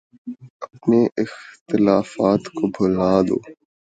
اپنے اختلافات کو بھلا دو۔